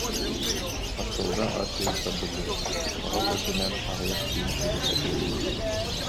Остуолга асүөл тардыллыбыт, оһох үрдүнэн аҕыйах тииҥ тириитэ ыйаммыт